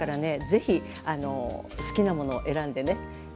ぜひ好きなもの選んでね